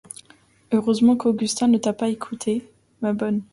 Heureusement qu'Augustin ne t'a pas écoutée, ma bonne !